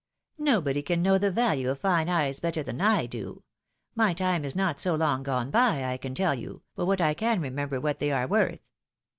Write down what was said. Nobody can know the value of fine eyes better than I do ; my time is not so long gone by, I can tell you, but what I can remember what they are worth.